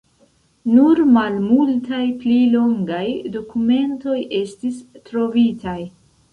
Nur malmultaj pli longaj dokumentoj estis trovitaj.